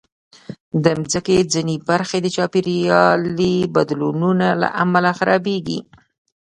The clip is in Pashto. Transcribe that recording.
د مځکې ځینې برخې د چاپېریالي بدلونونو له امله خرابېږي.